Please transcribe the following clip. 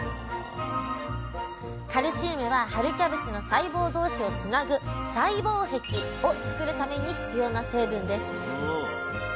カルシウムは春キャベツの細胞同士をつなぐ「細胞壁」を作るために必要な成分です。